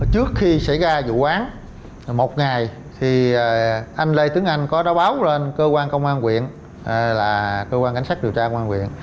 trước khi xảy ra vụ án một ngày thì anh lê tướng anh có đáo báo lên cơ quan công an quyện là cơ quan cảnh sát điều tra công an huyện